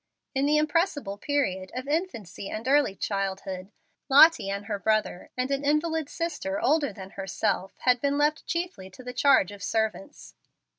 In the impressible period of infancy and early childhood, Lottie and her brother, and an invalid sister older than herself, had been left chiefly to the charge of servants.